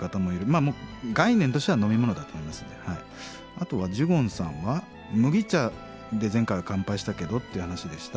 あとはジュゴンさんは「麦茶で前回は乾杯したけど」っていう話でした。